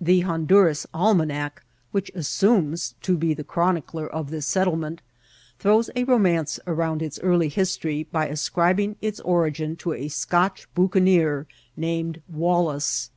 The Hon duras Almanac, which assumes to be the chronicler of this settlement, throws a romance around its early history by ascribing its origin to a Scotch bucanier named Wallace.